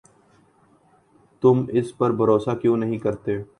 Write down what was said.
تم اس پر بھروسہ کیوں نہیں کرتے؟